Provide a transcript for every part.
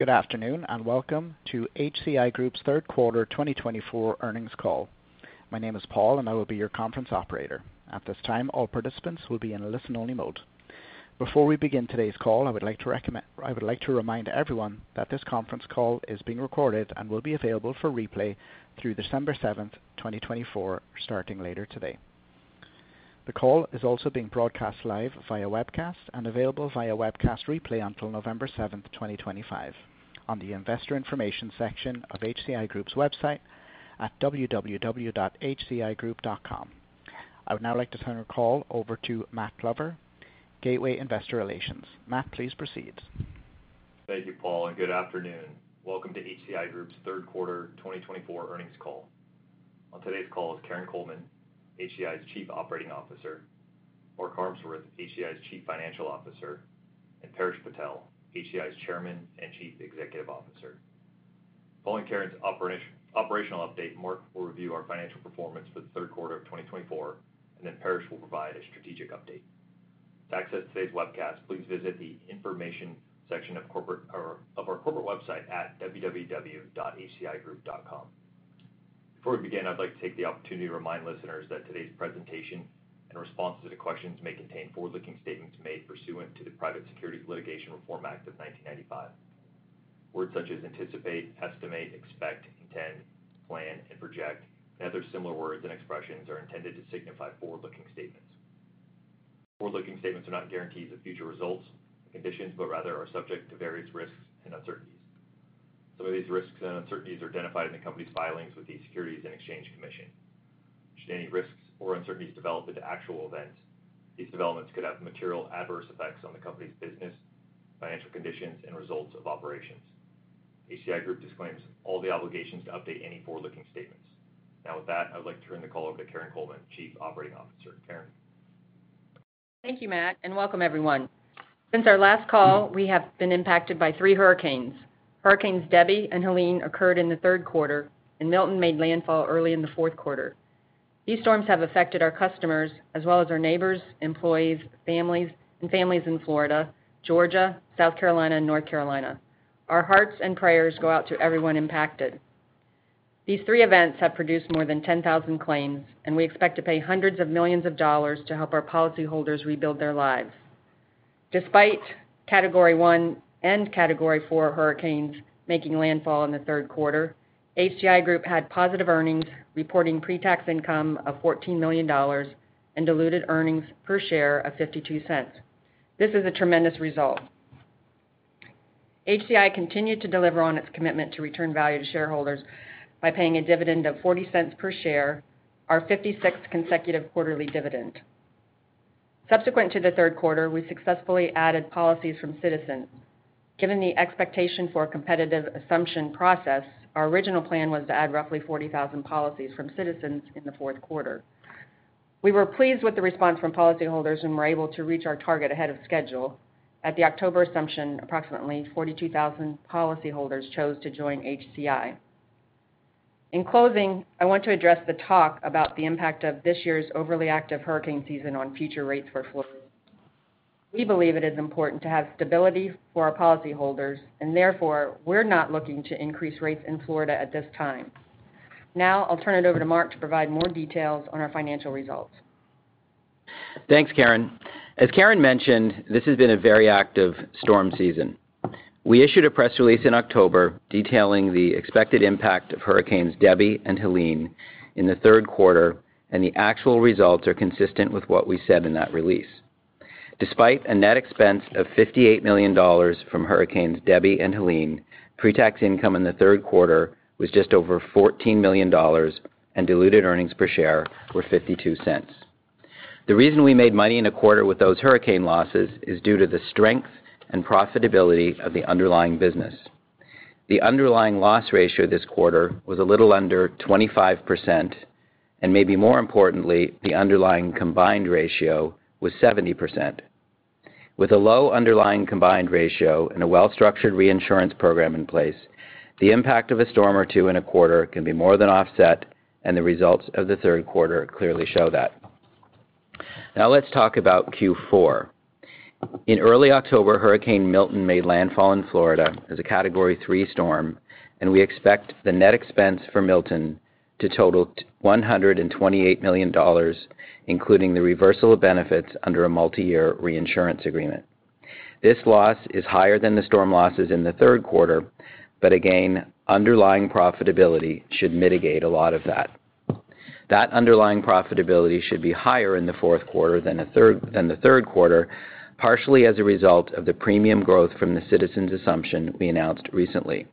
Good afternoon and welcome to HCI Group's Third Quarter 2024 Earnings Call. My name is Paul, and I will be your conference operator. At this time, all participants will be in a listen-only mode. Before we begin today's call, I would like to remind everyone that this conference call is being recorded and will be available for replay through December 7th, 2024, starting later today. The call is also being broadcast live via webcast and available via webcast replay until November 7th, 2025, on the investor information section of HCI Group's website at www.hcigroup.com. I would now like to turn our call over to Matt Glover, Gateway Investor Relations. Matt, please proceed. Thank you, Paul, and good afternoon. Welcome to HCI Group's Third Quarter 2024 Earnings Call. On today's call is Karin Coleman, HCI's Chief Operating Officer, Mark Harmsworth, HCI's Chief Financial Officer, and Paresh Patel, HCI's Chairman and Chief Executive Officer. Following Karin's operational update, Mark will review our financial performance for the third quarter of 2024, and then Paresh will provide a strategic update. To access today's webcast, please visit the information section of our corporate website at www.hcigroup.com. Before we begin, I'd like to take the opportunity to remind listeners that today's presentation and responses to questions may contain forward-looking statements made pursuant to the Private Securities Litigation Reform Act of 1995. Words such as anticipate, estimate, expect, intend, plan, and project, and other similar words and expressions, are intended to signify forward-looking statements. Forward-looking statements are not guarantees of future results and conditions, but rather are subject to various risks and uncertainties. Some of these risks and uncertainties are identified in the company's filings with the Securities and Exchange Commission. Should any risks or uncertainties develop into actual events, these developments could have material adverse effects on the company's business, financial conditions, and results of operations. HCI Group disclaims all the obligations to update any forward-looking statements. Now, with that, I would like to turn the call over to Karin Coleman, Chief Operating Officer. Karin? Thank you, Matt, and welcome, everyone. Since our last call, we have been impacted by three hurricanes. Hurricanes Debby and Helene occurred in the third quarter, and Milton made landfall early in the fourth quarter. These storms have affected our customers as well as our neighbors, employees, families, and families in Florida, Georgia, South Carolina, and North Carolina. Our hearts and prayers go out to everyone impacted. These three events have produced more than 10,000 claims, and we expect to pay hundreds of millions of dollars to help our policyholders rebuild their lives. Despite Category 1 and Category 4 hurricanes making landfall in the third quarter, HCI Group had positive earnings, reporting pre-tax income of $14 million, and diluted earnings per share of $0.52. This is a tremendous result. HCI continued to deliver on its commitment to return value to shareholders by paying a dividend of $0.40 per share, our 56th consecutive quarterly dividend. Subsequent to the third quarter, we successfully added policies from Citizens. Given the expectation for a competitive assumption process, our original plan was to add roughly 40,000 policies from Citizens in the fourth quarter. We were pleased with the response from policyholders and were able to reach our target ahead of schedule. At the October assumption, approximately 42,000 policyholders chose to join HCI. In closing, I want to address the talk about the impact of this year's overly active hurricane season on future rates for Florida. We believe it is important to have stability for our policyholders, and therefore, we're not looking to increase rates in Florida at this time. Now, I'll turn it over to Mark to provide more details on our financial results. Thanks, Karin. As Karin mentioned, this has been a very active storm season. We issued a press release in October detailing the expected impact of Hurricanes Debby and Helene in the third quarter, and the actual results are consistent with what we said in that release. Despite a net expense of $58 million from Hurricanes Debby and Helene, pre-tax income in the third quarter was just over $14 million, and diluted earnings per share were $0.52. The reason we made money in the quarter with those hurricane losses is due to the strength and profitability of the underlying business. The underlying loss ratio this quarter was a little under 25%, and maybe more importantly, the underlying combined ratio was 70%. With a low underlying combined ratio and a well-structured reinsurance program in place, the impact of a storm or two in a quarter can be more than offset, and the results of the third quarter clearly show that. Now, let's talk about Q4. In early October, Hurricane Milton made landfall in Florida as a Category 3 storm, and we expect the net expense for Milton to total $128 million, including the reversal of benefits under a multi-year reinsurance agreement. This loss is higher than the storm losses in the third quarter, but again, underlying profitability should mitigate a lot of that. That underlying profitability should be higher in the fourth quarter than the third quarter, partially as a result of the premium growth from the Citizens' assumption we announced recently.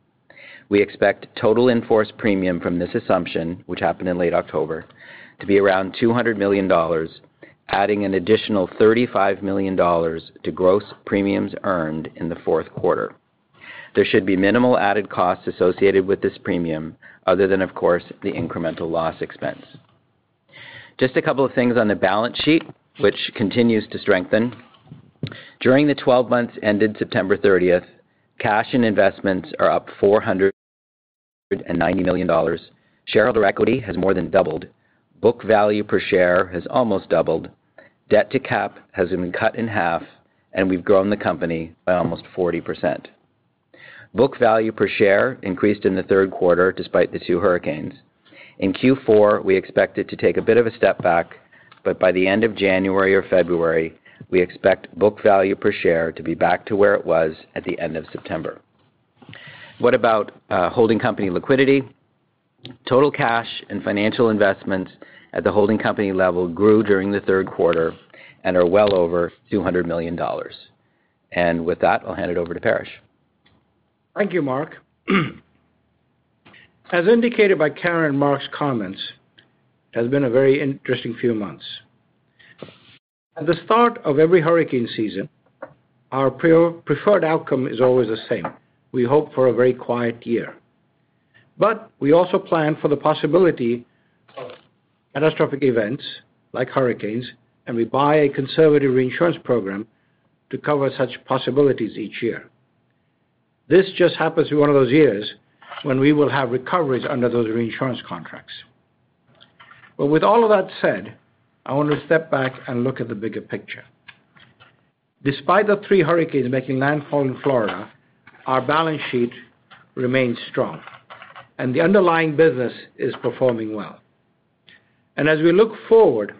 We expect total in-force premium from this assumption, which happened in late October, to be around $200 million, adding an additional $35 million to gross premiums earned in the fourth quarter. There should be minimal added costs associated with this premium other than, of course, the incremental loss expense. Just a couple of things on the balance sheet, which continues to strengthen. During the 12 months ended September 30th, cash and investments are up $490 million. Shareholder equity has more than doubled. Book value per share has almost doubled. Debt-to-capitalization has been cut in half, and we've grown the company by almost 40%. Book value per share increased in the third quarter despite the two hurricanes. In Q4, we expected to take a bit of a step back, but by the end of January or February, we expect book value per share to be back to where it was at the end of September. What about holding company liquidity? Total cash and financial investments at the holding company level grew during the third quarter and are well over $200 million. And with that, I'll hand it over to Paresh. Thank you, Mark. As indicated by Karin and Mark's comments, it has been a very interesting few months. At the start of every hurricane season, our preferred outcome is always the same. We hope for a very quiet year, but we also plan for the possibility of catastrophic events like hurricanes, and we buy a conservative reinsurance program to cover such possibilities each year. This just happens to be one of those years when we will have recoveries under those reinsurance contracts, but with all of that said, I want to step back and look at the bigger picture. Despite the three hurricanes making landfall in Florida, our balance sheet remains strong, and the underlying business is performing well, and as we look forward,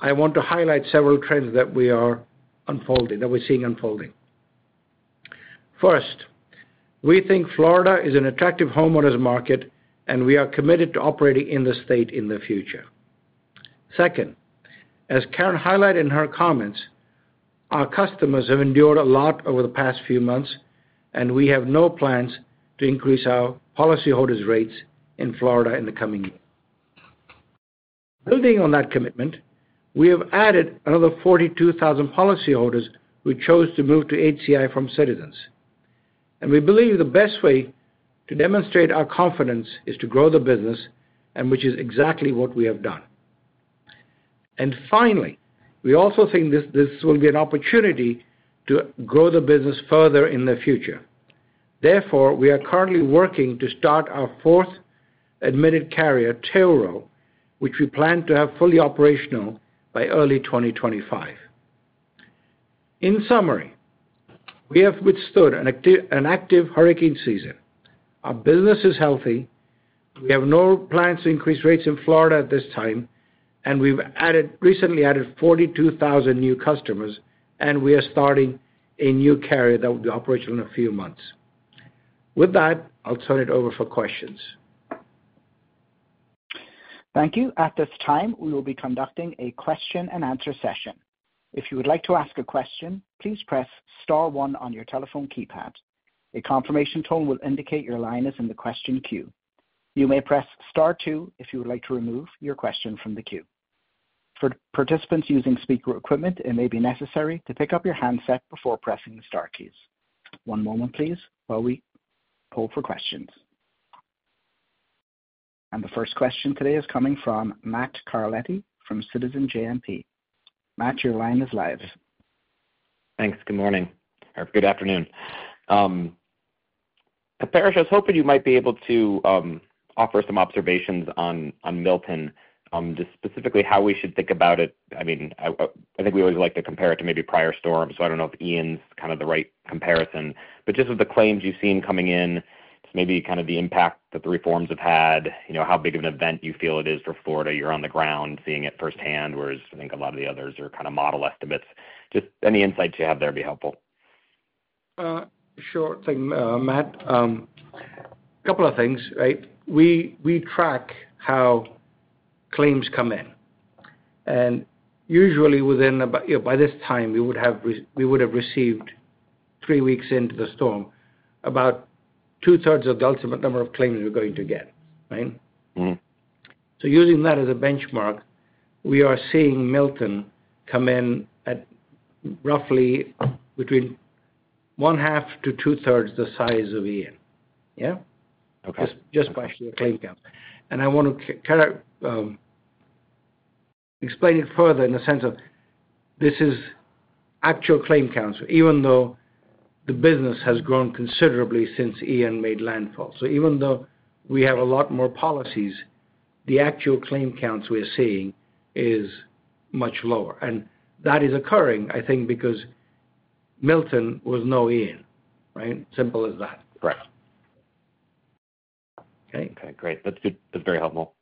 I want to highlight several trends that we are unfolding, that we're seeing unfolding. First, we think Florida is an attractive homeowners market, and we are committed to operating in the state in the future. Second, as Karin highlighted in her comments, our customers have endured a lot over the past few months, and we have no plans to increase our policyholders' rates in Florida in the coming year. Building on that commitment, we have added another 42,000 policyholders who chose to move to HCI from Citizens. And we believe the best way to demonstrate our confidence is to grow the business, which is exactly what we have done. And finally, we also think this will be an opportunity to grow the business further in the future. Therefore, we are currently working to start our fourth admitted carrier, Tailrow, which we plan to have fully operational by early 2025. In summary, we have withstood an active hurricane season. Our business is healthy. We have no plans to increase rates in Florida at this time, and we've recently added 42,000 new customers, and we are starting a new carrier that will be operational in a few months. With that, I'll turn it over for questions. Thank you. At this time, we will be conducting a question-and-answer session. If you would like to ask a question, please press star one on your telephone keypad. A confirmation tone will indicate your line is in the question queue. You may press star two if you would like to remove your question from the queue. For participants using speaker equipment, it may be necessary to pick up your handset before pressing the star keys. One moment, please, while we poll for questions. And the first question today is coming from Matt Carletti from Citizens JMP. Matt, your line is live. Thanks. Good morning or good afternoon. Paresh, I was hoping you might be able to offer some observations on Milton, specifically how we should think about it. I mean, I think we always like to compare it to maybe prior storms, so I don't know if Ian's kind of the right comparison. But just with the claims you've seen coming in, maybe kind of the impact that the reforms have had, how big of an event you feel it is for Florida. You're on the ground seeing it firsthand, whereas I think a lot of the others are kind of model estimates. Just any insights you have there would be helpful. Sure thing, Matt. A couple of things. We track how claims come in. And usually, by this time, we would have received three weeks into the storm, about 2/3 of the ultimate number of claims we're going to get, right? So using that as a benchmark, we are seeing Milton come in at roughly between 1/2 to 2/3 the size of Ian, yeah? Just by sheer claim count. And I want to explain it further in the sense of this is actual claim counts, even though the business has grown considerably since Ian made landfall. So even though we have a lot more policies, the actual claim counts we're seeing is much lower. And that is occurring, I think, because Milton was no Ian, right? Simple as that. Correct. Okay. Great. That's very helpful.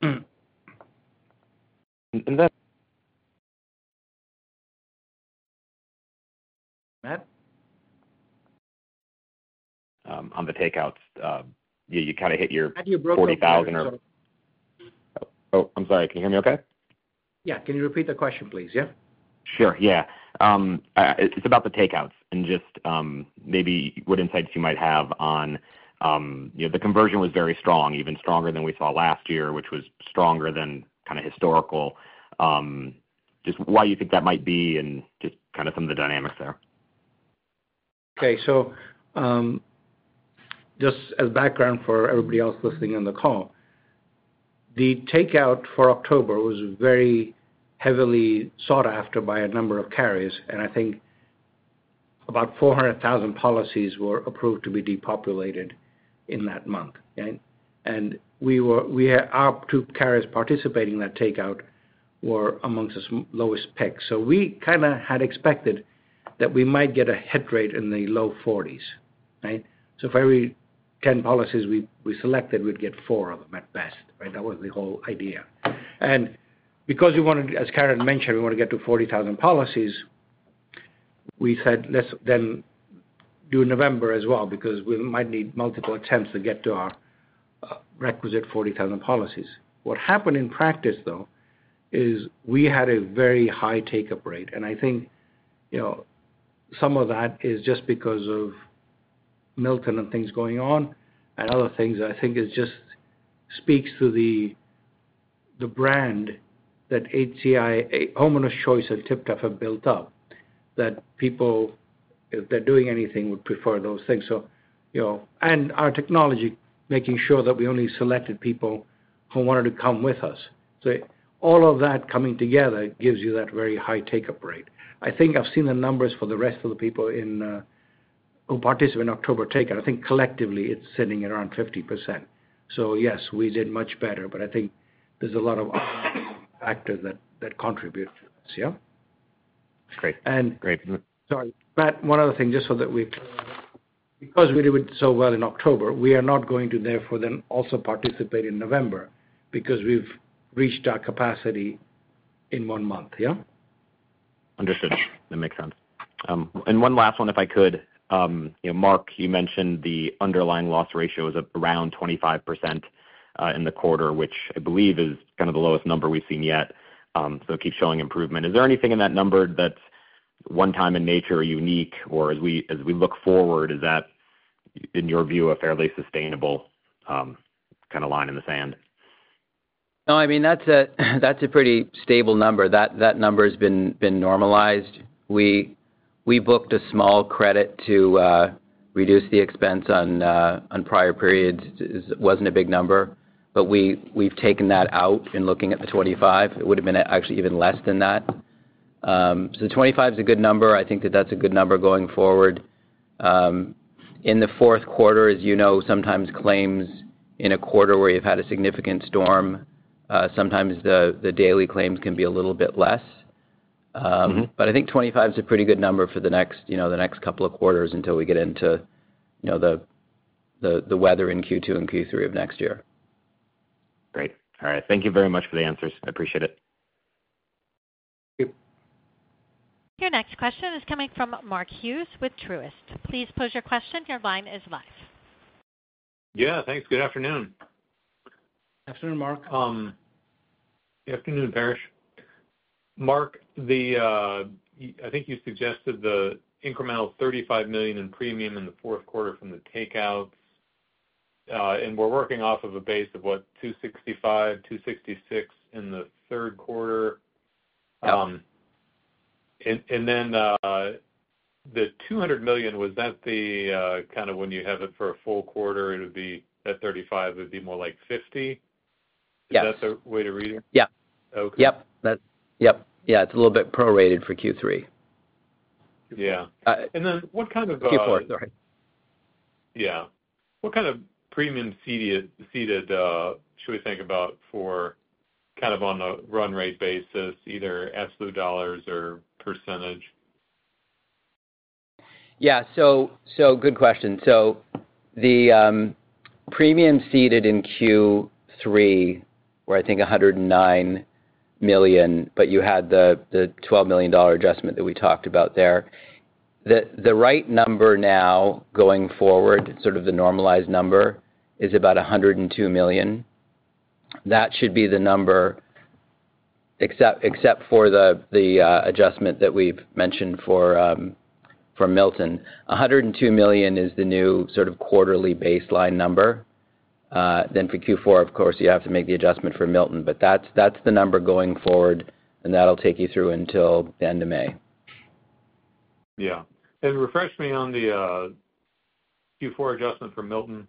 And then. On the takeouts, you kind of hit your 40,000 or. Matt, you broke the mic. Oh, I'm sorry. Can you hear me okay? Yeah. Can you repeat the question, please, yeah? Sure. Yeah. It's about the takeouts and just maybe what insights you might have on the conversion was very strong, even stronger than we saw last year, which was stronger than kind of historical. Just why you think that might be and just kind of some of the dynamics there? Okay. So just as background for everybody else listening on the call, the takeout for October was very heavily sought after by a number of carriers, and I think about 400,000 policies were approved to be depopulated in that month, right? And our two carriers participating in that takeout were among the lowest picks. So we kind of had expected that we might get a hit rate in the low 40s, right? So for every 10 policies we selected, we'd get four of them at best, right? That was the whole idea. And because we wanted, as Karin mentioned, we wanted to get to 40,000 policies, we said, "Let's then do November as well because we might need multiple attempts to get to our requisite 40,000 policies." What happened in practice, though, is we had a very high take-up rate. I think some of that is just because of Milton and things going on and other things. I think it just speaks to the brand that HCI, Homeowners Choice, and TypTap have built up, that people, if they're doing anything, would prefer those things. And our technology, making sure that we only selected people who wanted to come with us. So all of that coming together gives you that very high take-up rate. I think I've seen the numbers for the rest of the people who participated in October takeout. I think collectively, it's sitting at around 50%. So yes, we did much better, but I think there's a lot of factors that contribute to this, yeah? That's great. Sorry, Matt, one other thing, just so that we've because we did so well in October, we are not going to, therefore, then also participate in November because we've reached our capacity in one month, yeah? Understood. That makes sense. And one last one, if I could. Mark, you mentioned the underlying loss ratio was around 25% in the quarter, which I believe is kind of the lowest number we've seen yet. So it keeps showing improvement. Is there anything in that number that's one-time in nature or unique, or as we look forward, is that, in your view, a fairly sustainable kind of line in the sand? No, I mean, that's a pretty stable number. That number has been normalized. We booked a small credit to reduce the expense on prior periods. It wasn't a big number, but we've taken that out in looking at the 25. It would have been actually even less than that. So the 25 is a good number. I think that that's a good number going forward. In the fourth quarter, as you know, sometimes claims in a quarter where you've had a significant storm, sometimes the daily claims can be a little bit less. But I think 25 is a pretty good number for the next couple of quarters until we get into the weather in Q2 and Q3 of next year. Great. All right. Thank you very much for the answers. I appreciate it. Thank you. Your next question is coming from Mark Hughes with Truist. Please pose your question. Your line is live. Yeah. Thanks. Good afternoon. Good afternoon, Mark. Good afternoon, Paresh. Mark, I think you suggested the incremental $35 million in premium in the fourth quarter from the takeouts. And we're working off of a base of what, $265, $266 in the third quarter. And then the $200 million, was that the kind of when you have it for a full quarter, it would be that $35 would be more like $50? Is that the way to read it? Yeah. It's a little bit prorated for Q3. Yeah. And then, what kind of. Q4, sorry. Yeah. What kind of premium ceded should we think about for kind of on a run rate basis, either absolute dollars or percentage? Yeah. So good question. So the premiums ceded in Q3 were I think $109 million, but you had the $12 million adjustment that we talked about there. The right number now going forward, sort of the normalized number, is about $102 million. That should be the number, except for the adjustment that we've mentioned for Milton. $102 million is the new sort of quarterly baseline number. Then for Q4, of course, you have to make the adjustment for Milton, but that's the number going forward, and that'll take you through until the end of May. Yeah, and refresh me on the Q4 adjustment for Milton.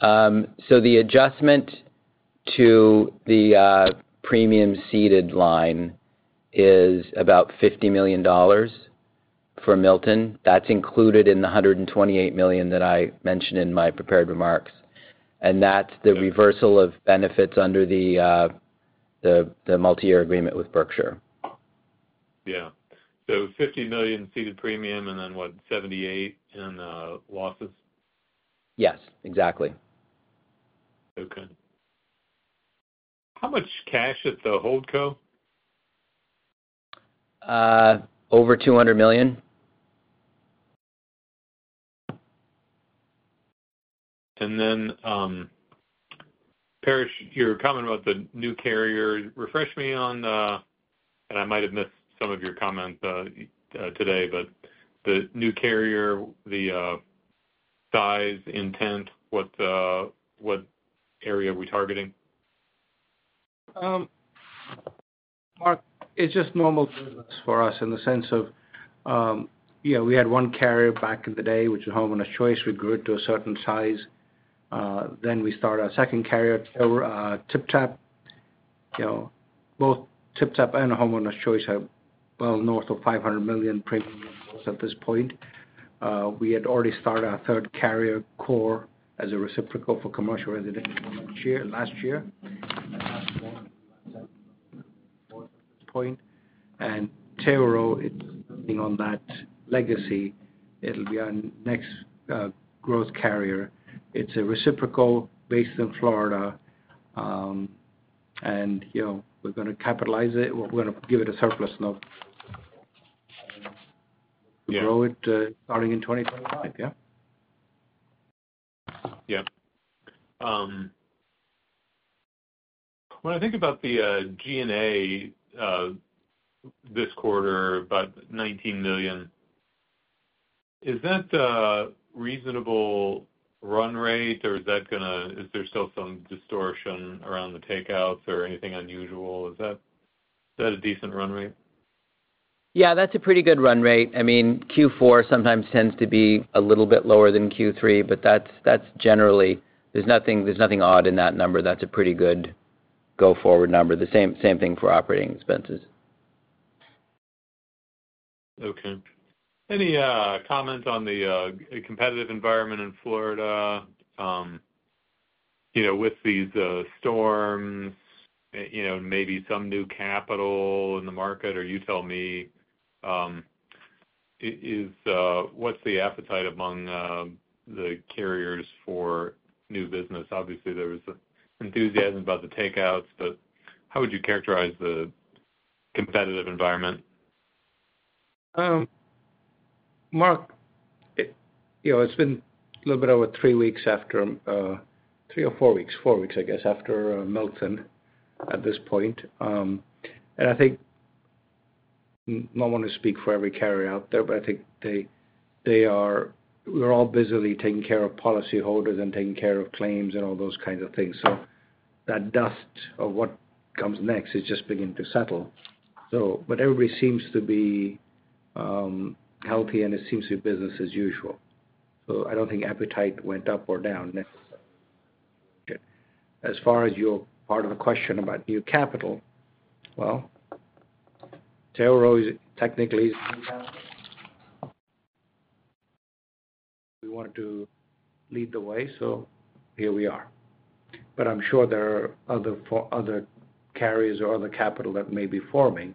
The adjustment to the premium ceded line is about $50 million for Milton. That's included in the $128 million that I mentioned in my prepared remarks. That's the reversal of benefits under the multi-year agreement with Berkshire. Yeah. So $50 million ceded premium and then what, $78 million in losses? Yes. Exactly. Okay. How much cash at the hold co? Over $200 million. And then, Paresh, your comment about the new carrier, refresh me on, and I might have missed some of your comment today, but the new carrier, the size, intent, what area are we targeting? Mark, it's just normal business for us in the sense of, yeah, we had one carrier back in the day, which was Homeowners Choice. We grew it to a certain size. Then we started our second carrier, TypTap. Both TypTap and Homeowners Choice are well north of 500 million premium at this point. We had already started our third carrier, CORE, as a reciprocal for commercial residential last year. And Tailrow, it's building on that legacy. It'll be our next growth carrier. It's a reciprocal based in Florida. And we're going to capitalize it. We're going to give it a surplus note. We'll grow it starting in 2025, yeah? Yeah. When I think about the G&A this quarter about $19 million, is that a reasonable run rate, or is there still some distortion around the takeouts or anything unusual? Is that a decent run rate? Yeah. That's a pretty good run rate. I mean, Q4 sometimes tends to be a little bit lower than Q3, but that's generally. There's nothing odd in that number. That's a pretty good go-forward number. Same thing for operating expenses. Okay. Any comment on the competitive environment in Florida with these storms, maybe some new capital in the market, or you tell me? What's the appetite among the carriers for new business? Obviously, there was enthusiasm about the takeouts, but how would you characterize the competitive environment? Mark, it's been a little bit over three weeks after three or four weeks, four weeks, I guess, after Milton at this point. And I think no one will speak for every carrier out there, but I think they are. We're all busily taking care of policyholders and taking care of claims and all those kinds of things. So that dust of what comes next is just beginning to settle. But everybody seems to be healthy, and it seems to be business as usual. So I don't think appetite went up or down. As far as your part of the question about new capital, well, Tailrow technically is a new capital. We wanted to lead the way, so here we are. But I'm sure there are other carriers or other capital that may be forming.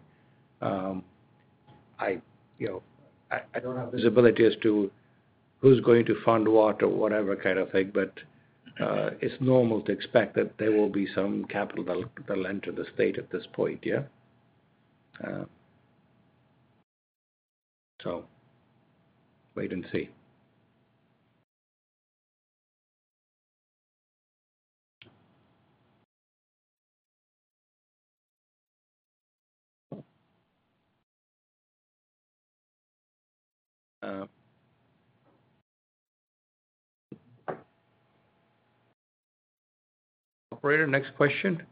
I don't have visibility as to who's going to fund what or whatever kind of thing, but it's normal to expect that there will be some capital that'll enter the state at this point, yeah? So wait and see. Operator, next question?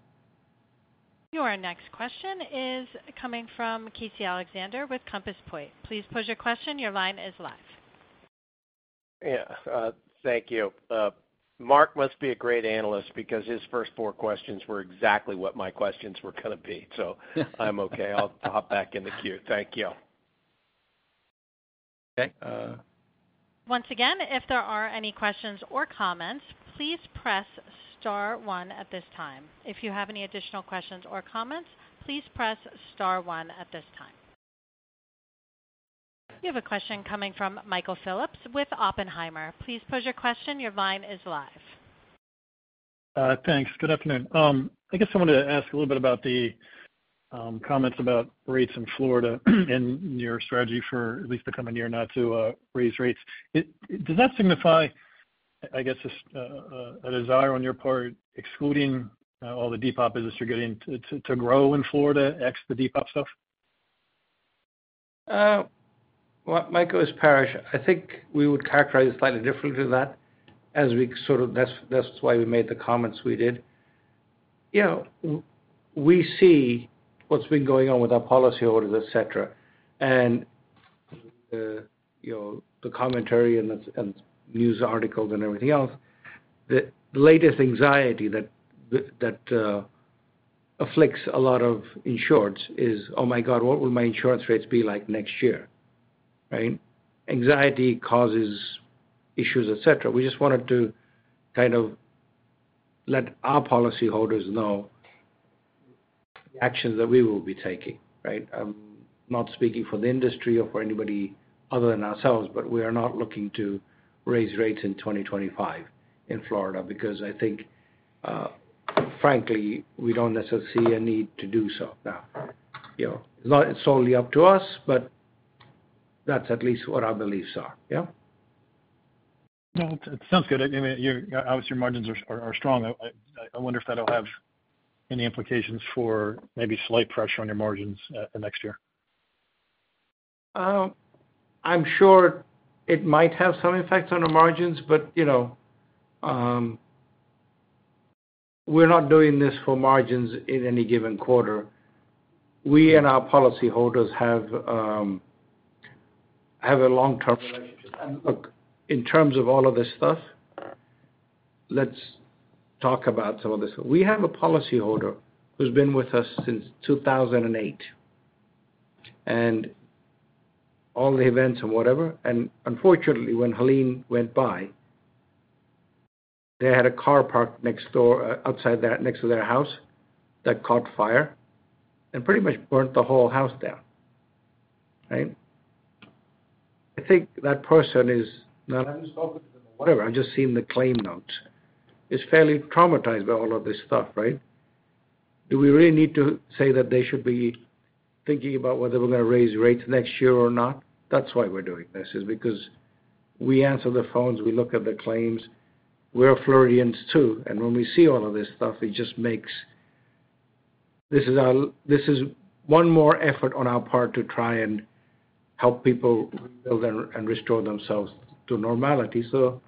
Your next question is coming from Casey Alexander with Compass Point. Please pose your question. Your line is live. Yeah. Thank you. Mark must be a great analyst because his first four questions were exactly what my questions were going to be. So I'm okay. I'll hop back in the queue. Thank you. Okay. Once again, if there are any questions or comments, please press star one at this time. If you have any additional questions or comments, please press star one at this time. You have a question coming from Michael Phillips with Oppenheimer. Please pose your question. Your line is live. Thanks. Good afternoon. I guess I wanted to ask a little bit about the comments about rates in Florida and your strategy for at least the coming year not to raise rates. Does that signify, I guess, a desire on your part, excluding all the depop business you're getting, to grow in Florida, ex the depop stuff? Michael, it's Paresh. I think we would characterize it slightly differently than that, as we sort of, that's why we made the comments we did. We see what's been going on with our policyholders, etc., and the commentary and the news articles and everything else, the latest anxiety that afflicts a lot of insureds is, "Oh my God, what will my insurance rates be like next year?" Right? Anxiety causes issues, etc. We just wanted to kind of let our policyholders know the actions that we will be taking, right? I'm not speaking for the industry or for anybody other than ourselves, but we are not looking to raise rates in 2025 in Florida because I think, frankly, we don't necessarily see a need to do so. Now, it's not solely up to us, but that's at least what our beliefs are, yeah? No, it sounds good. I mean, obviously, your margins are strong. I wonder if that'll have any implications for maybe slight pressure on your margins next year. I'm sure it might have some effects on our margins, but we're not doing this for margins in any given quarter. We and our policyholders have a long-term relationship. And look, in terms of all of this stuff, let's talk about some of this. We have a policyholder who's been with us since 2008 and all the events and whatever. And unfortunately, when Helene went by, they had a car parked outside next to their house that caught fire and pretty much burnt the whole house down, right? I think that person is not. I haven't spoken to them or whatever. I've just seen the claim notes. It's fairly traumatized by all of this stuff, right? Do we really need to say that they should be thinking about whether we're going to raise rates next year or not? That's why we're doing this, is because we answer the phones, we look at the claims. We're Floridians too, and when we see all of this stuff, it just makes, this is one more effort on our part to try and help people rebuild and restore themselves to normality so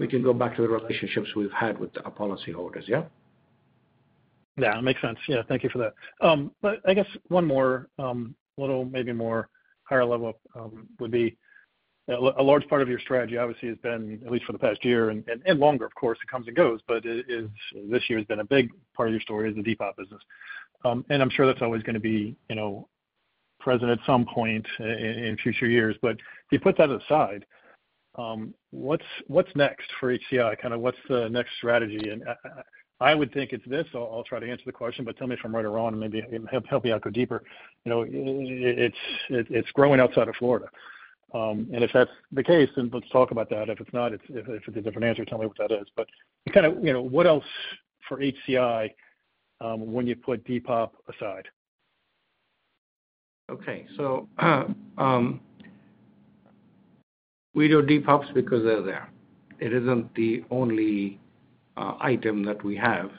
we can go back to the relationships we've had with our policyholders, yeah? Yeah. That makes sense. Yeah. Thank you for that. but I guess one more, a little maybe more higher level, would be a large part of your strategy, obviously, has been, at least for the past year and longer, of course, it comes and goes, but this year has been a big part of your story, is the depop business. And I'm sure that's always going to be present at some point in future years. But if you put that aside, what's next for HCI? Kind of what's the next strategy? And I would think it's this. I'll try to answer the question, but tell me if I'm right or wrong and maybe help me out deeper. It's growing outside of Florida. And if that's the case, then let's talk about that. If it's not, if it's a different answer, tell me what that is. But kind of what else for HCI when you put depop aside? Okay. So we do depops because they're there. It isn't the only item that we have.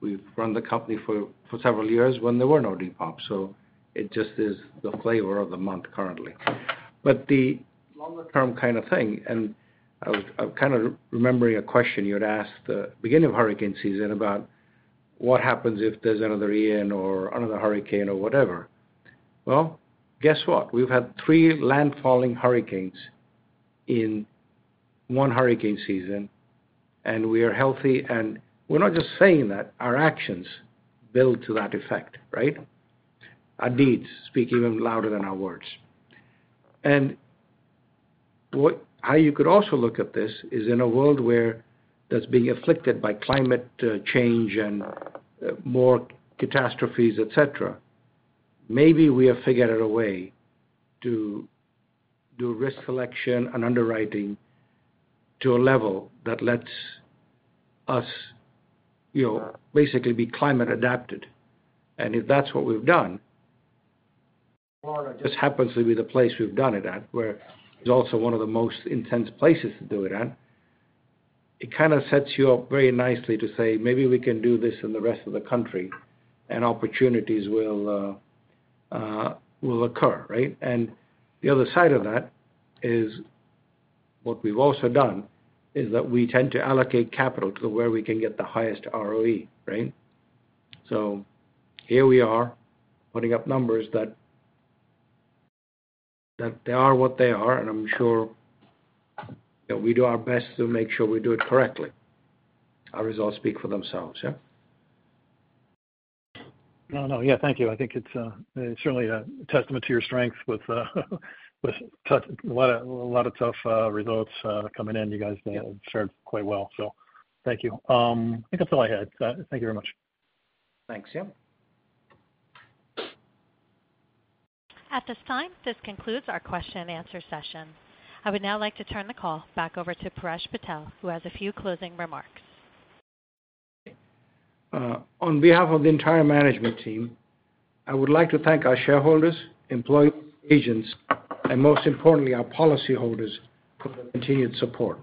We've run the company for several years when there were no depops. So it just is the flavor of the month currently. But the longer-term kind of thing, and I'm kind of remembering a question you had asked at the beginning of hurricane season about what happens if there's another Ian or another hurricane or whatever. Well, guess what? We've had three landfalling hurricanes in one hurricane season, and we are healthy. And we're not just saying that. Our actions build to that effect, right? Our deeds speak even louder than our words. And how you could also look at this is in a world where that's being afflicted by climate change and more catastrophes, etc. Maybe we have figured out a way to do risk selection and underwriting to a level that lets us basically be climate adapted. And if that's what we've done, Florida just happens to be the place we've done it at, where it's also one of the most intense places to do it at. It kind of sets you up very nicely to say, "Maybe we can do this in the rest of the country, and opportunities will occur," right? And the other side of that is what we've also done is that we tend to allocate capital to where we can get the highest ROE, right? So here we are putting up numbers that they are what they are, and I'm sure we do our best to make sure we do it correctly. Our results speak for themselves, yeah? No, no. Yeah. Thank you. I think it's certainly a testament to your strength with a lot of tough results coming in. You guys have fared quite well, so thank you. I think that's all I had. Thank you very much. Thanks. Yeah. At this time, this concludes our question-and-answer session. I would now like to turn the call back over to Paresh Patel, who has a few closing remarks. On behalf of the entire management team, I would like to thank our shareholders, employees, agents, and most importantly, our policyholders for the continued support.